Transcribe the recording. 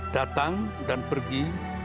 datang dan pergi